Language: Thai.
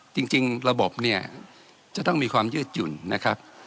จริงระบบเนี่ยจะต้องมีความยืดหยุ่นนะครับ